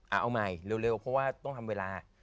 เอาใหม่เร็วเพราะว่าต้องทำเวลา